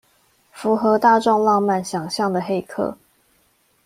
符合大眾浪漫想像的黑客